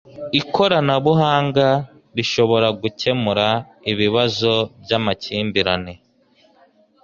ikoranabuhanga rishobora gukemura ibibazo by'amakimbirane